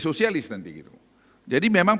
sosialis nanti jadi memang